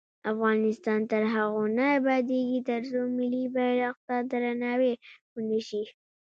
افغانستان تر هغو نه ابادیږي، ترڅو ملي بیرغ ته درناوی ونشي.